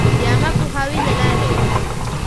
د عــامه پـوهــاوي لـه لارې٫